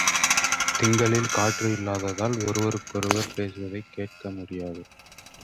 திங்களில் காற்று இல்லாததால் ஒருவருக்கொருவர் பேசுவதைக் கேட்கமுடியாது.